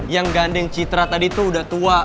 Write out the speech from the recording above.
yang gandeng citra tadi tuh udah tua